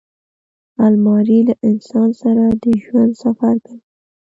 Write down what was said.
الماري له انسان سره د ژوند سفر کوي